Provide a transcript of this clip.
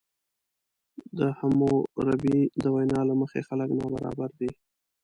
د حموربي د وینا له مخې خلک نابرابر دي.